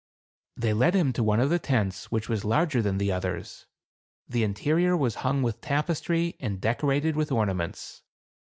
They led him to one of the tents which was larger than the others. The interior was hung with tapestry, and decorated with ornaments.